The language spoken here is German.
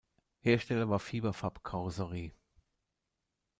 Hersteller war Fiberfab-Karosserie.